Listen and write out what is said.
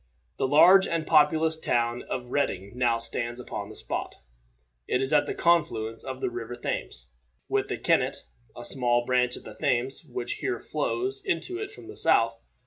The large and populous town of Reading now stands upon the spot. It is at the confluence of the River Thames with the Kennet, a small branch of the Thames, which here flows into it from the south.